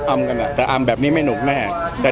แต่อำจากเวลาแบบนี้ไม่หนุกแน่